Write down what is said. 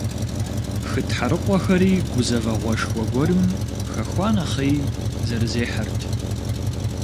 Хы тхьэрыкъуэхэри, гузэвэгъуэшхуэ гуэрым хэхуа нэхъей, зэрызехьэрт.